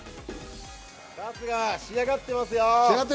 春日、仕上がってますよ。